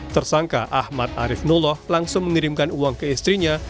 tersangka ahmad arief nuloh langsung mengirimkan uang ke istrinya